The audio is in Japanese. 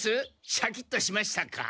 シャキッとしましたか？